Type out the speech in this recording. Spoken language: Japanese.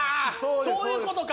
そういうことか！